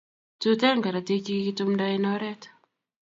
Tuten karatik che kikitumnda en oret